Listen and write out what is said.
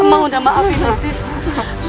emak udah maafin entis